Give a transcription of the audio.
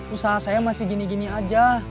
usaha saya masih gini gini aja